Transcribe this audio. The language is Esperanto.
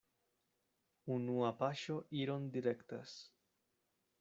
Unua paŝo iron direktas.